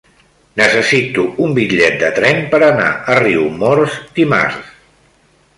Necessito un bitllet de tren per anar a Riumors dimarts.